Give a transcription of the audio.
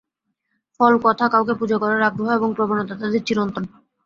ফল-কথা, কাউকে পূজা করবার আগ্রহ এবং প্রবণতা তাদের চিরন্তন।